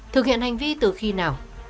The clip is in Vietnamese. thực hiện hành vi từ khi nào